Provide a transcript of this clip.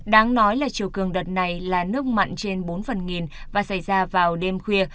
đáng nói là chiều cường đợt này là nước mặn trên bốn phần nghìn và xảy ra vào đêm khuya